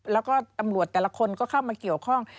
แล้วก็ตำรวจแต่ละคนก็เข้ามาเกี่ยวข้อง